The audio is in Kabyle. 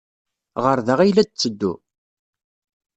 Ɣer da ay la d-tetteddu?